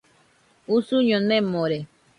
Usuño nemore.